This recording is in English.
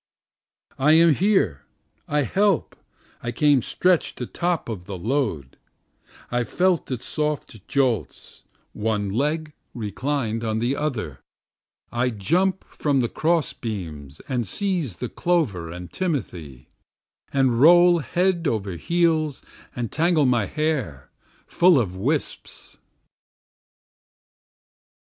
I am there, I help, I came stretch'd atop of the load, I felt its soft jolts, one leg reclined on the other, I jump from the cross beams and seize the clover and timothy, And roll head over heels and tangle my hair full of wisps.